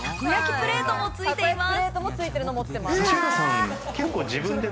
プレートも付いています。